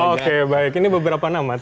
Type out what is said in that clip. oke baik ini beberapa nama